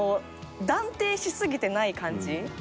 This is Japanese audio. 断定しすぎてない感じ。